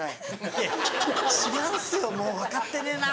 いや違うんすよもう分かってねえな。